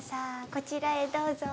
こちらへどうぞ。